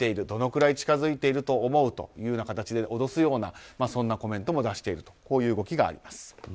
どのくらい近づいていると思う？というような形で脅すようなコメントも出している動きもあります。